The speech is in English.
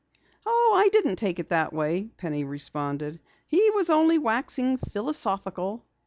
"Oh, I didn't take it that way," Penny responded. "He was only waxing philosophical."